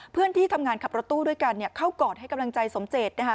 เพื่อนที่ทำงานขับรถตู้ด้วยกันเข้ากอดให้กำลังใจสมเจต